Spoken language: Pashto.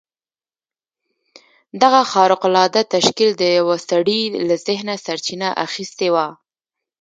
دغه خارق العاده تشکيل د يوه سړي له ذهنه سرچينه اخيستې وه.